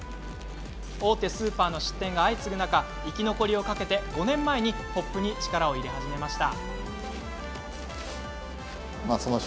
大手スーパーの出店が相次ぐ中生き残りをかけ、５年前ＰＯＰに力を入れ始めました。